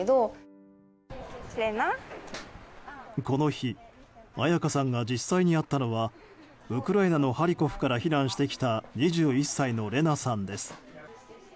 この日綾香さんが実際に会ったのはウクライナのハリコフから避難してきた２１歳のレナさんです。